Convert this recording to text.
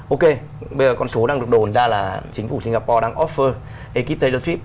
ok bây giờ con chú đang được đồn ra là chính phủ singapore đang offer ekip taylor swift